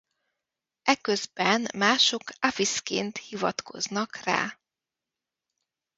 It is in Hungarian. Eközben mások Avisként hivatkoztak rá.